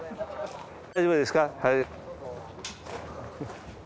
大丈夫ですか？